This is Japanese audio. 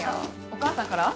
お母さんから？